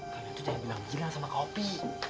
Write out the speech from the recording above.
kalian tuh jangan bilang gila sama kak opi